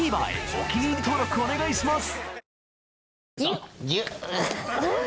お気に入り登録お願いします！